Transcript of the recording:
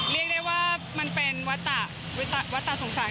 เรียกได้ว่ามันเป็นวัตตาสงสัย